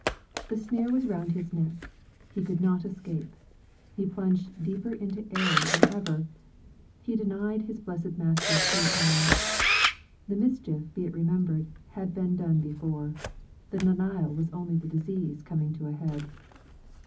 The snare was round his neck. He could not escape. He plunged deeper into error than ever. He denied his blessed Master three times. The mischief, be it remembered," ^ad been done before. The denial was only the disease coming to a head.